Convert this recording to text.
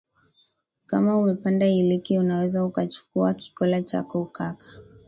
kama umepanda iliki unaweza ukachukuwa kikola chako ukaka